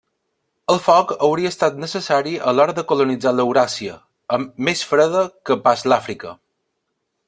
El foc hauria estat necessari a l'hora de colonitzar l'Euràsia, més freda que pas l'Àfrica.